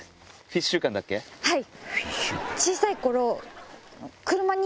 はい。